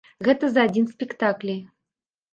Гэта за адзін спектаклі.